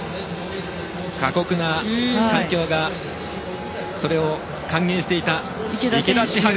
過酷な環境それを歓迎していた池田千晴。